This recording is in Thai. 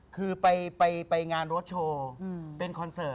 คือไปงานรถโชว์เป็นคอนเสิร์ต